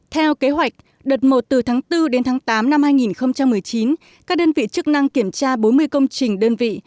theo kế hoạch đợt một từ tháng bốn đến tháng tám năm hai nghìn một mươi chín các đơn vị chức năng kiểm tra bốn mươi công trình đơn vị